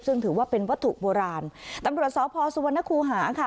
ซึ่งถือว่าเป็นวัตถุโบราณตำรวจสพสุวรรณคูหาค่ะ